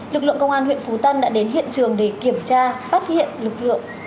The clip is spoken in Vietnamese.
lực lượng công an huyện phú tân đã đến hiện trường để kiểm tra phát hiện lực lượng